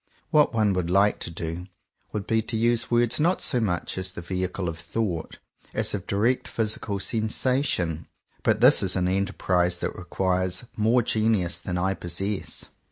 What one would like to do, would be to use words not so much as the vehicle of thought, as of direct physical sensation; but this is an enterprise that requires more genius than I possess.